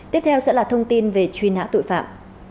tiếp theo sẽ là thông tin về truy nã tội phạm